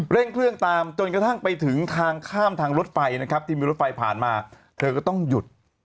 เร่งเครื่องตามจนกระทั่งไปถึงทางข้ามทางรถไฟนะครับที่มีรถไฟผ่านมาเธอก็ต้องหยุด